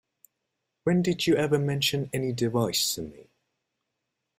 When did you ever mention any device to me?